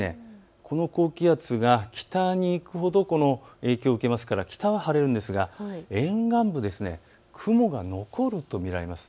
この高気圧が北に行くほど影響を受けますから北は晴れるんですが沿岸部、雲が残ると見られます。